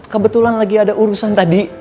kebetulan lagi ada urusan tadi